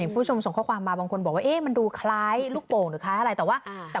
คุณผู้ชมส่งข้อความมาบางคนบอกว่าเอ๊ะมันดูคล้ายลูกโป่งหรือคล้ายอะไรแต่ว่า